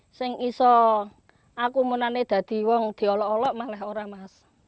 isen iso aku mau nanya tadi wong diolok olok malah orang mas